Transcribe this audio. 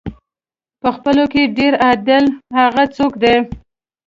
په خپلو کې ډېر عادل هغه څوک دی.